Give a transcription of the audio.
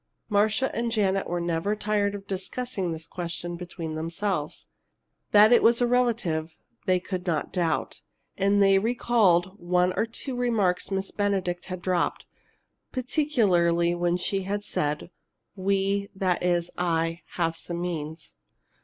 Marcia and Janet were never tired of discussing this question between themselves. That it was a relative, they could not doubt. And they recalled one or two remarks Miss Benedict had dropped, particularly when she had said: "We that is I have some means."